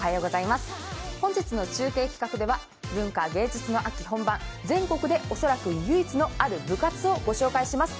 本日の中継企画では文化芸術の秋本番、全国で唯一のある部活をお伝えします。